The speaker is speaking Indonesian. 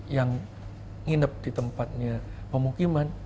yang nginep di tempatnya pemukiman